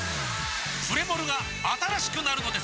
プレモルが新しくなるのです！